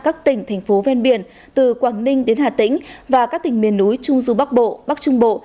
các tỉnh thành phố ven biển từ quảng ninh đến hà tĩnh và các tỉnh miền núi trung du bắc bộ bắc trung bộ